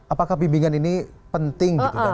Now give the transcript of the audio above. apakah bimbingan ini penting gitu kan